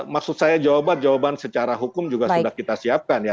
maksud saya jawaban jawaban secara hukum juga sudah kita siapkan ya